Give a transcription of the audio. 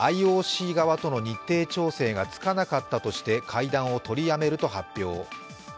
ＩＯＣ側との日程調整がつかなかったとして会談を取りやめると発表。